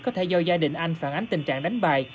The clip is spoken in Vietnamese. có thể do gia đình anh phản ánh tình trạng đánh bài